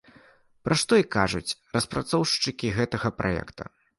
Пра што і кажуць распрацоўшчыкі гэтага праекта.